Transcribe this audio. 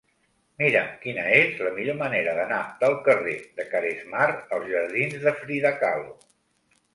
Mira'm quina és la millor manera d'anar del carrer de Caresmar als jardins de Frida Kahlo.